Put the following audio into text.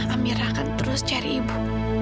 amirah akan terus cari ibu